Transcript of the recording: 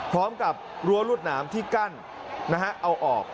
พร้อมกับรั้วรวดหนามที่กั้นเอาออก